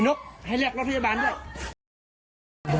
แจ้งสุดเนี่ย